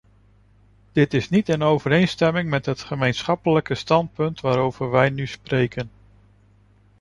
Dit is niet in overeenstemming met het gemeenschappelijke standpunt waarover wij nu spreken.